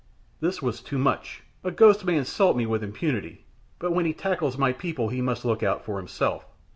This was too much. A ghost may insult me with impunity, but when he tackles my people he must look out for himself.